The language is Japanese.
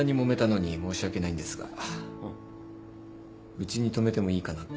うちに泊めてもいいかなって。